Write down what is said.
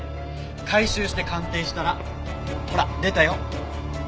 回収して鑑定したらほら出たよ